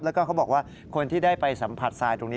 แล้วก็เขาบอกว่าคนที่ได้ไปสัมผัสทรายตรงนี้